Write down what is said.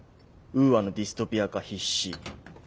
ウーアのディストピア化必至。